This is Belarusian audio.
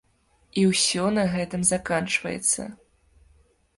І ўсё на гэтым заканчваецца.